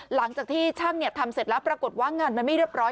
หลังจากที่ช่างทำเสร็จแล้วปรากฏว่างานมันไม่เรียบร้อย